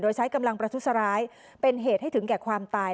โดยใช้กำลังประทุษร้ายเป็นเหตุให้ถึงแก่ความตาย